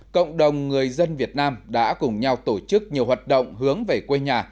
cộng đồng người dân việt nam đã cùng nhau tổ chức nhiều hoạt động hướng về quê nhà